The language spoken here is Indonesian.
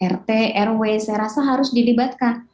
rt rw serasa harus dilibatkan